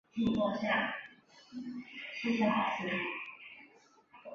此处原有一座圣方济各教堂。